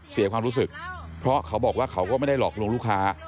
เสียความรู้สึกเพราะเขาบอกว่าเขาก็ไม่ได้หลอกลวงลูกค้า